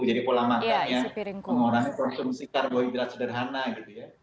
jadi pola makannya mengurangi konsumsi karbohidrat sederhana gitu ya